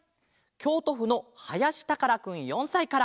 きょうとふのはやしたからくん４さいから。